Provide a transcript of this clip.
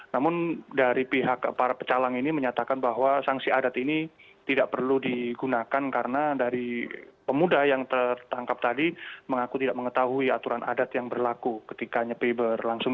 namun dari pihak para pecalang ini menyatakan bahwa sanksi adat ini tidak perlu digunakan karena dari pemuda yang tertangkap tadi mengaku tidak mengetahui aturan adat yang berlaku ketika nyepi berlangsung